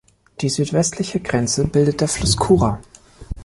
Die südwestliche Grenze bildet der Fluss Kura.